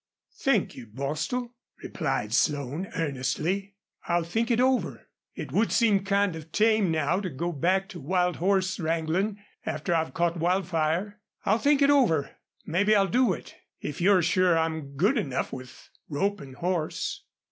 "Thank you, Bostil," replied Slone, earnestly. "I'll think it over. It would seem kind of tame now to go back to wild horse wranglin', after I've caught Wildfire. I'll think it over. Maybe I'll do it, if you're sure I'm good enough with rope an' horse."